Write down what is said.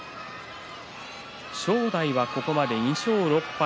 正代はここまで２勝６敗